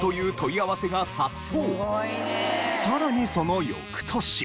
さらにその翌年。